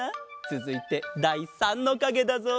つづいてだい３のかげだぞ。